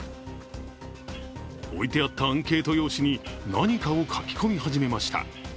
置いてあったアンケート用紙に何かを書き込み始めました。